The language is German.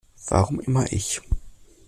Warum immer ich?